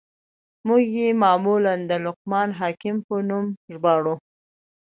موږ ئې معمولاً د لقمان حکيم په نوم ژباړو.